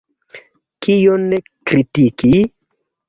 Kion kritiki?